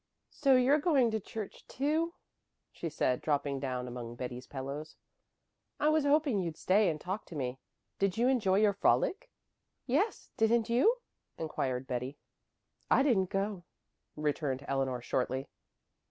"So you're going to church too," she said, dropping down among Betty's pillows. "I was hoping you'd stay and talk to me. Did you enjoy your frolic?" "Yes, didn't you?" inquired Betty. "I didn't go," returned Eleanor shortly.